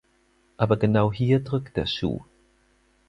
Aber genau hier drückt der Schuh.